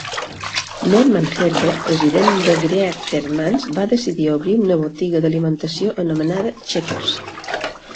Norman Herber, president de Greatermans va decidir obrir una botiga d'alimentació anomenada Checkers.